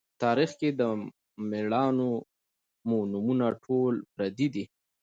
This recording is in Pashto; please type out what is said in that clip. تاریخ کښې د مــړانو مـو نومــونه ټول پردي دي